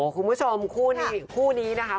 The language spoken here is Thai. คุณผู้ชมคู่นี้นะคะ